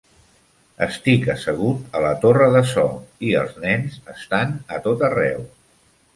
Estic assegut a la torre de so, i els nens estan a tot arreu.